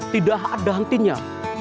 tidak ada hentinya